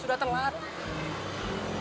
jangan tembas idea multi java